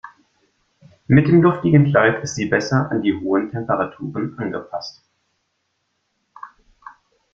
Mit dem luftigen Kleid ist sie besser an die hohen Temperaturen angepasst.